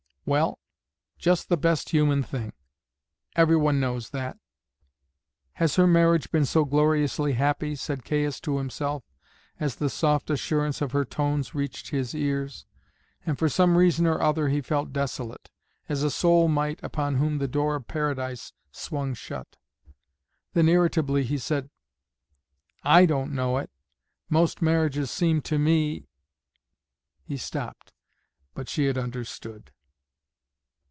"Well, just the best human thing: everyone knows that." "Has her marriage been so gloriously happy?" said Caius to himself as the soft assurance of her tones reached his ears, and for some reason or other he felt desolate, as a soul might upon whom the door of paradise swung shut. Then irritably he said: "I don't know it. Most marriages seem to me " He stopped, but she had understood.